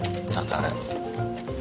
あれ。